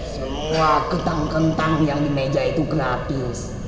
semua ketang kentang yang di meja itu gratis